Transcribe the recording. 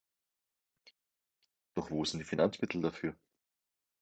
Doch wo sind die Finanzmittel dafür?